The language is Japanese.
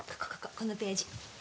このページ。